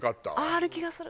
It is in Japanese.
ある気がする。